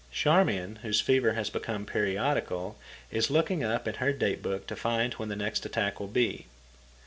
Charmian, whose fever has become periodical, is looking up in her date book to find when the next attack will be.